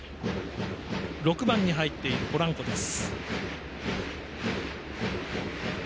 ６番に入っているポランコです。